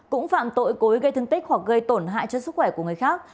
cũng phạm tội cối gây thương tích hoặc gây tổn hại cho sức khỏe của người khác